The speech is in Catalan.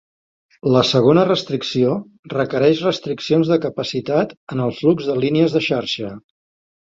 La segona restricció requereix restriccions de capacitat en el flux de línies de xarxa.